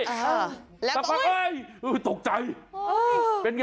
สักพักเอ้ยเออตกใจเป็นไง